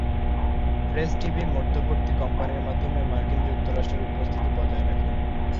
Press TV মধ্যবর্তী কোম্পানীর মাধ্যমে মার্কিন যুক্তরাষ্ট্রের উপস্থিতি বজায় রাখে।